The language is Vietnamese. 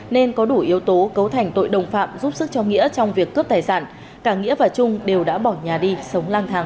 nên có đủ yếu tố cấu thành tội đồng phạm giúp sức cho nghĩa trong việc cướp tài sản cả nghĩa và trung đều đã bỏ nhà đi sống lang thang